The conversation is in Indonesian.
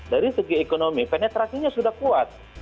dari segi ekonomi penetrasinya sudah kuat